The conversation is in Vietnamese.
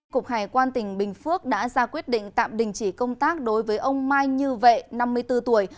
cục hải quan tỉnh bình phước đã ra quyết định tạm đình chỉ công tác đối với ông mai như vệ năm mươi bốn tuổi